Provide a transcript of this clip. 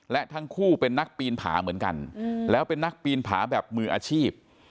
และทั้งคู่เป็นนักปีนผาเหมือนกันแล้วเป็นนักปีนผาแบบมืออาชีพ